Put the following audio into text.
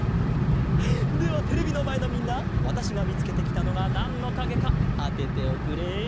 ではテレビのまえのみんなわたしがみつけてきたのがなんのかげかあてておくれ。